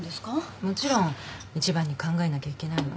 もちろん一番に考えなきゃいけないわ。